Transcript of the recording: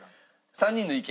３人の意見？